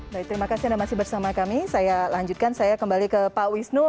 baik terima kasih anda masih bersama kami saya lanjutkan saya kembali ke pak wisnu